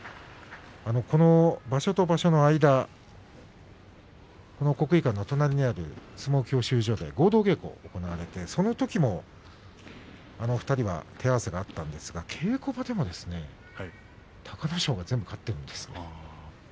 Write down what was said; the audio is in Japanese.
この場所と場所との間国技館の隣にある相撲教習所で合同稽古が行われてそのときも手合わせがあったんですが稽古場でも隆の勝が全部勝っているんですね。